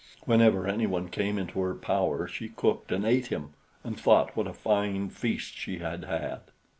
Whenever anyone came into her power, she cooked and ate him, and thought what a fine feast she had had.